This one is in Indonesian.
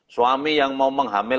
suami yang mau menghamil